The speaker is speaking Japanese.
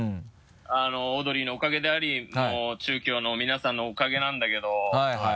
オードリーのおかげであり中京の皆さんのおかげなんだけどはいはい。